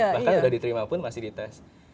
bahkan sudah diterima pun masih dites